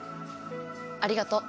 ありがとう。